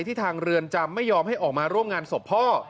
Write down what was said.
ทางเรือนจำไม่ยอมให้ออกมาร่วมงานศพพ่อ